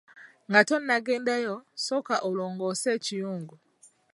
Nga tonnagendayo, sooka olongoose ekiyungu.